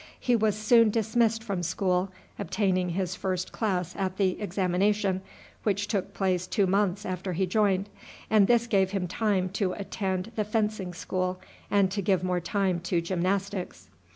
He was soon dismissed from school, obtaining his first class at the examination, which took place two months after he joined, and this gave him time to attend the fencing school, and to give more time to gymnastics.